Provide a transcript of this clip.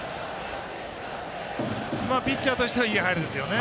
ピッチャーとしてはいい入りですよね。